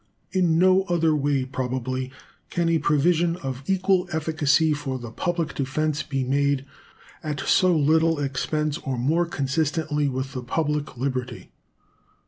In no other way, probably, can a provision of equal efficacy for the public defense be made at so little expense or more consistently with the public liberty.